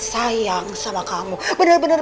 sayang sama kamu bener bener